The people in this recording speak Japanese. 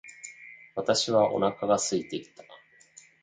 私はお腹が空いていた。